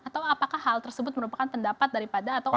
atau apakah hal tersebut merupakan pendapat daripada atau